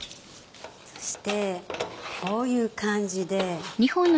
そしてこういう感じで。